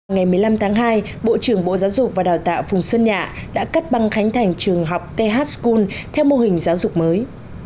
ngày một mươi năm tháng hai bộ trưởng bộ giáo dục và đào tạo phùng xuân nhạ đã cắt băng khánh thành trường học thul theo mô hình giáo dục mới